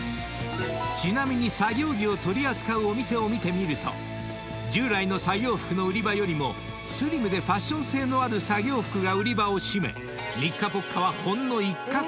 ［ちなみに作業着を取り扱うお店を見てみると従来の作業服の売り場よりもスリムでファッション性のある作業服が売り場を占めニッカポッカはほんの一角のみになっている］